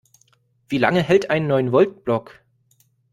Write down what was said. Wie lange hält ein Neun-Volt-Block?